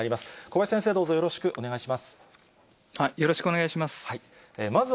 小林先生、どうぞよろしくお願いよろしくお願いします。